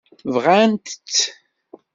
Bɣant-tt?